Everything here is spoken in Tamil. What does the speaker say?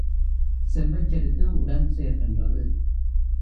செல்வச் செருக்கு உடன் சேர்கின்றது.